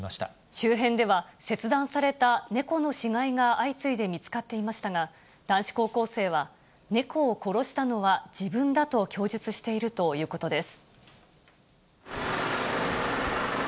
周辺では、切断された猫の死骸が相次いで見つかっていましたが、男子高校生は、猫を殺したのは自分だと供述しているということです。